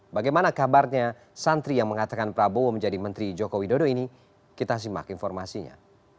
bagaimana kabarnya santri yang mengatakan prabowo menjadi menteri joko widodo ini kita simak informasinya